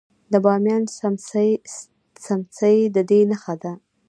د بامیان سمڅې د دې نښه ده